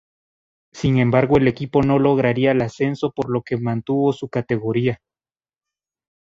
Sin embargo el equipo no lograría el ascenso por lo que mantuvo su categoría.